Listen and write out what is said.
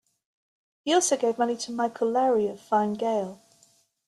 He also gave money to Michael Lowry of Fine Gael.